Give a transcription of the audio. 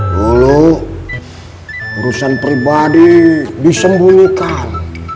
dulu urusan pribadi disembunyikan